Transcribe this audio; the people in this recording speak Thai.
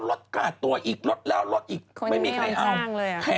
รถกะตัวอีกรถแล้วรถอีก